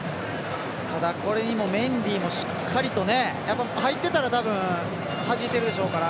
ただ、メンディもしっかりと入ってたら多分はじいてるでしょうから。